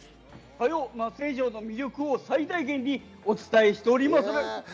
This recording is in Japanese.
松江城の魅力を最大限にお伝えしておりまする。